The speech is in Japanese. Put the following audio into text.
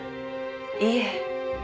いえ。